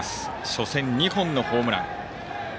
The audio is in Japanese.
初戦、２本のホームラン。